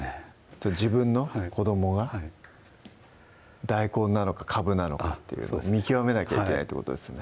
自分の子どもが大根なのかかぶなのかっていうのを見極めなきゃいけないってことですね